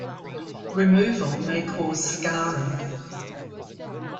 Removal may cause scarring.